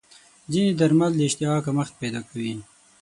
ځینې درمل د اشتها کمښت پیدا کوي.